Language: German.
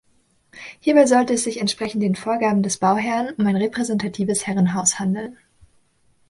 Hierbei sollte es sich entsprechend den Vorgaben des Bauherrn um ein repräsentatives Herrenhaus handeln.